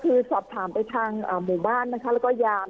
คือสอบถามไปทางหมู่บ้านนะคะแล้วก็ยาม